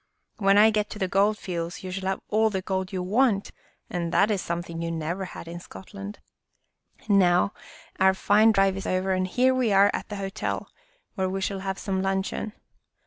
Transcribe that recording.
When I get to the Gold Fields " Land !" 7 you shall have all the gold you want, and that is something you never had in Scotland. Now, our fine drive is over and here we are at the hotel, where we shall have some luncheon.